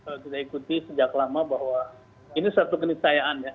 seperti yang kita baca di media dan kita ikuti sejak lama bahwa ini satu kenisayaan ya